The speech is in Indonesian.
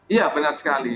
iya benar sekali